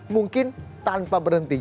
mungkin tanpa berhenti